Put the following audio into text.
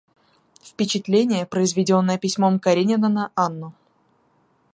Впечатление, произведенное письмом Каренина на Анну.